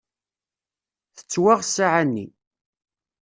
Tettwaɣ ssaεa-nni.